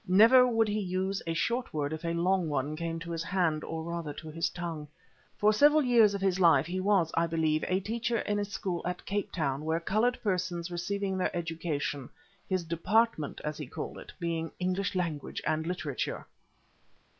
Never would he use a short word if a long one came to his hand, or rather to his tongue. For several years of his life he was, I believe, a teacher in a school at Capetown where coloured persons received their education; his "department," as he called it, being "English Language and Literature."